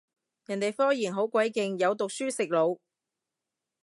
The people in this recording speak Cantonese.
人哋科研好鬼勁，有讀書食腦